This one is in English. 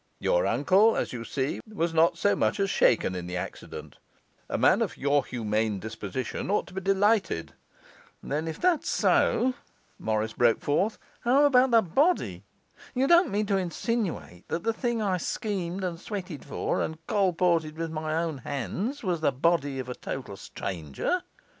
Your uncle, as you see, was not so much as shaken in the accident; a man of your humane disposition ought to be delighted.' 'Then, if that's so,' Morris broke forth, 'how about the body? You don't mean to insinuate that thing I schemed and sweated for, and colported with my own hands, was the body of a total stranger?